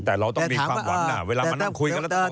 แต่เราต้องมีความหวังเวลามานั่งคุยกันแล้ว